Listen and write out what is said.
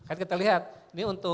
maka kita bisa menerbitkan yang tinggi